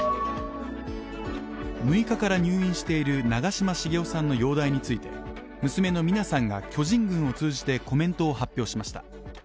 ６日から入院している長嶋茂雄さんの容体について娘の三奈さんが巨人軍を通じてコメントを発表しました。